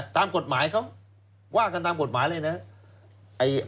ตามกฎหมายเขาว่ากันตามกฎหมายเลยนะครับ